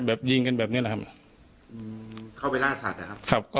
แบบยิงกันแบบนี้แหละครับอืมเข้าไปล่าสัตว์เหรอครับครับ